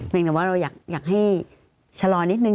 ยังแต่ว่าเราอยากให้ชะลอนิดนึง